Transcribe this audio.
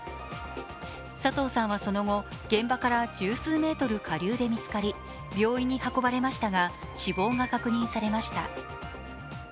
佐藤さんはその後、現場から十数メートル下流で見つかり、病院に運ばれましたが、死亡が確認されました。